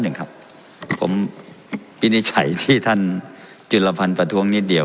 หนึ่งครับผมวินิจฉัยที่ท่านจุลพันธ์ประท้วงนิดเดียว